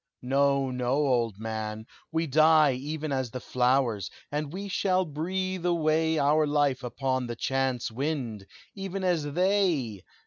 "No, no, old man! we die Even as the flowers, and we shall breathe away Our life upon the chance wind, even as they!